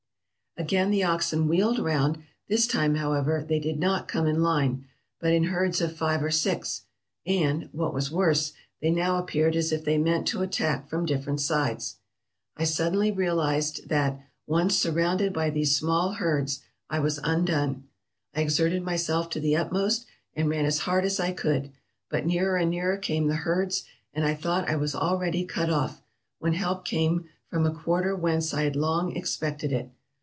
"Again the oxen wheeled round; this time, however, they did not come in line, but in herds of five or six, and, what was worse, they now appeared as if they meant to attack from different sides. I suddenly realized that, once surrounded by these small herds, I was undone. I exerted myself to the ut most, and ran as hard as I could; but nearer and nearer came the herds, and I thought I was already cut off, when help came from a quarter whence I had long expected it.